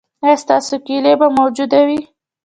ایا ستاسو کیلي به موجوده وي؟